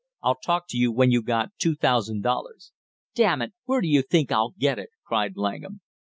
"I'll talk to you when you got two thousand dollars." "Damn you, where do you think I'll get it?" cried Langham.